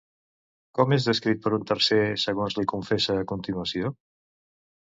Com és descrit per un tercer, segons li confessa a continuació?